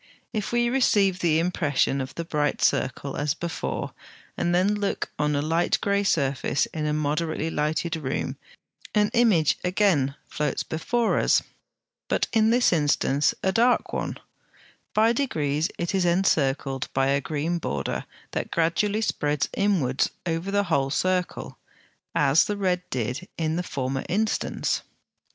If we receive the impression of the bright circle as before, and then look on a light grey surface in a moderately lighted room, an image again floats before us; but in this instance a dark one: by degrees it is encircled by a green border that gradually spreads inwards over the whole circle, as the red did in the former instance.